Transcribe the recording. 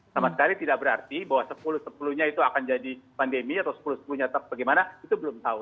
sama sekali tidak berarti bahwa sepuluh sepuluh nya itu akan jadi pandemi atau sepuluh sepuluh nya bagaimana itu belum tahu